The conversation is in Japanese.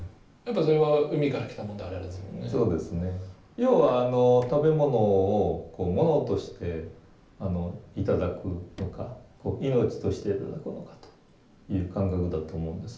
要は食べ物をこうものとして頂くのかこう命として頂くのかという感覚だと思うんですよね。